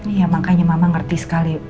iya makanya mama ngerti sekali